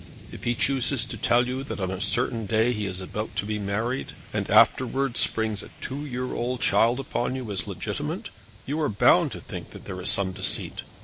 If he chooses to tell you that on a certain day he is about to be married, and afterwards springs a two year old child upon you as legitimate, you are bound to think that there is some deceit.